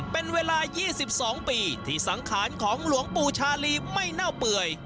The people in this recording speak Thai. เป็นเวลา๒๒ปีที่สังขารของหลวงปู่ชาลีไม่เน่าเปื่อย